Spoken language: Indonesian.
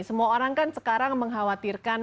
semua orang kan sekarang mengkhawatirkan